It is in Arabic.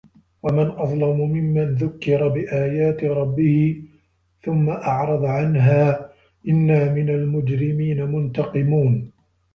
وَمَن أَظلَمُ مِمَّن ذُكِّرَ بِآياتِ رَبِّهِ ثُمَّ أَعرَضَ عَنها إِنّا مِنَ المُجرِمينَ مُنتَقِمونَ